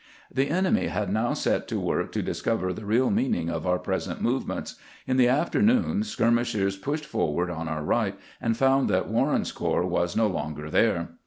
The enemy had now set to work to discover the real meaning of our present movements. In the afternoon skirmishers pushed forward on our right, and found that Warren's corps was no longer there.